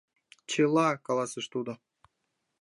— Чыла! — каласыш тудо.